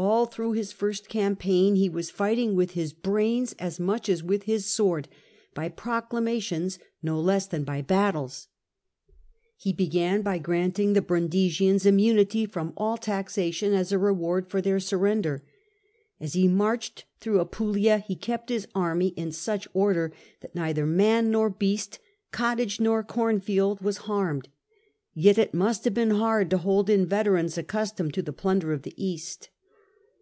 All through his first campaign he was fighting with his brains as much as with his sword, by pro clamations no less than by battles. He began by granting the Brundisians immunity from all taxation as a reward for their surrender. As he marched through Apulia he kept his army in such order that neither man nor beast, cottage nor cornfield, was harmed : yet it must have been hard to hold in veterans accustomed to the plunder of the East.